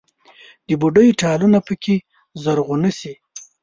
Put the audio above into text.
د بوډۍ ټالونه پکښې زرغونه شي